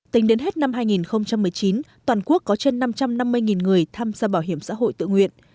tính đến hết năm hai nghìn một mươi chín toàn quốc có trên năm trăm năm mươi người tham gia bảo hiểm xã hội tự nguyện